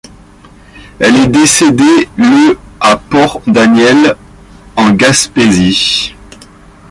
Elle est décédée le à Port-Daniel, en Gaspésie.